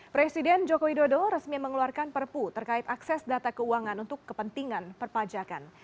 presiden joko widodo resmi mengeluarkan perpu terkait akses data keuangan untuk kepentingan perpajakan